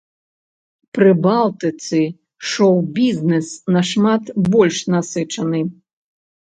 Прыбалтыцы шоў-бізнэс нашмат больш насычаны.